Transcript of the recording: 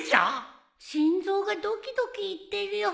心臓がドキドキいってるよ。